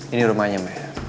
ini rumahnya me